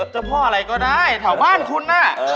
เจ้าพ่ออะไรก็ได้แถวบ้านคุณน่ะ